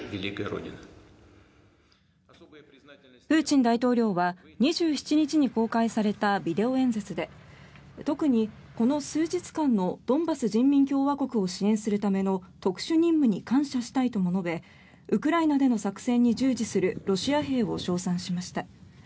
プーチン大統領は２７日に公開されたビデオ演説で特にこの数日間のドンバス人民共和国を支援するための特殊任務に感謝したいとも述べウクライナでの作戦に従事するロシア兵を称賛しました。